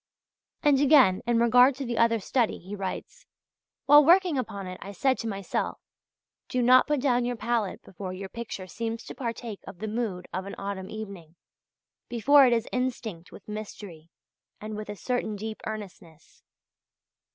'" (page 8). And again, in regard to the other study, he writes: "While working upon it, I said to myself: 'Do not put down your palette before your picture seems to partake of the mood of an autumn evening, before it is instinct with mystery and with a certain deep earnestness'" (page 14).